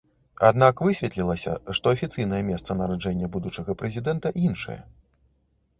Аднак высветлілася, што афіцыйнае месца нараджэння будучага прэзідэнта іншае.